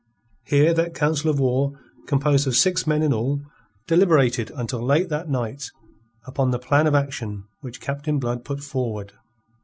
Here that council of war, composed of six men in all, deliberated until late that night upon the plan of action which Captain Blood put forward.